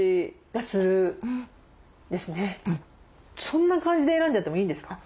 そんな感じで選んじゃってもいいんですか？